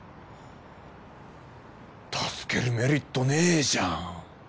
助けるメリットねえじゃん！